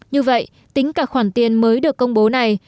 như vậy tính cả khoản tiền mới được công bố này